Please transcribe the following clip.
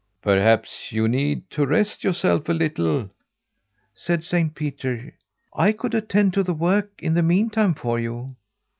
'Perhaps you need to rest yourself a little,' said Saint Peter, 'I could attend to the work in the meantime for you.'